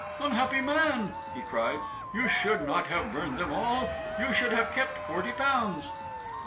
"Unhappy man," he cried, "you should not have burned them all! You should have kept forty pounds."